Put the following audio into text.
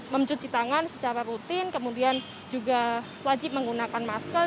memcuci tangan secara rutin kemudian juga wajib menggunakan maskel